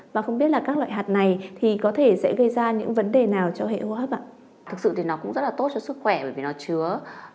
và không biết các loại hạt này có thể gây ra những vấn đề nào cho hệ hô hấp ạ